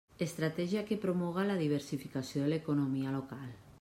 Estratègia que promoga la diversificació de l'economia local.